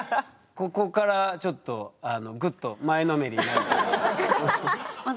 ここからちょっとグッと前のめりになるけど。